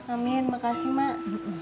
amin makasih mak